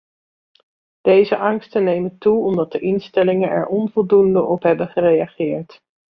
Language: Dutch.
Deze angsten nemen toe omdat de instellingen er onvoldoende op hebben gereageerd.